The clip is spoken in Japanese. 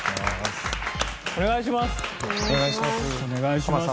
お願いします。